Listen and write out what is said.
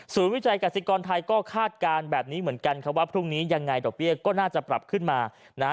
วิจัยกษิกรไทยก็คาดการณ์แบบนี้เหมือนกันครับว่าพรุ่งนี้ยังไงดอกเบี้ยก็น่าจะปรับขึ้นมานะ